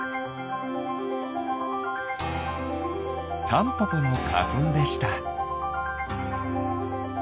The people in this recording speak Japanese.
タンポポのかふんでした。